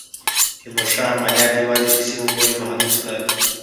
تیمورشاه عملیات یوازي په سیمو پوري محدود کړل.